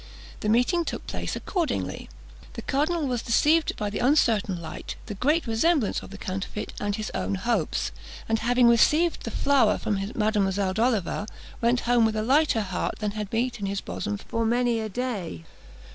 The meeting took place accordingly. The cardinal was deceived by the uncertain light, the great resemblance of the counterfeit, and his own hopes; and having received the flower from Mademoiselle D'Oliva, went home with a lighter heart than had beat in his bosom for many a day.